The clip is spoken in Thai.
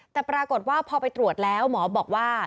แต่ปรากฏว่าพอไปตรวจแล้วหมอบอกว่า